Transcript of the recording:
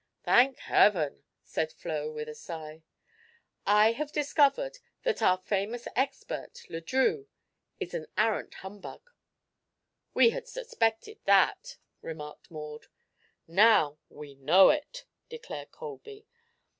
"Thank heaven," said Flo, with a sigh. "I have discovered that our famous expert. Le Drieux, is an arrant humbug." "We had suspected that," remarked Maud. "Now we know it," declared Colby.